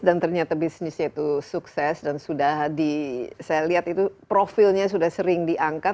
dan ternyata bisnisnya itu sukses dan saya lihat profilnya sudah sering diangkat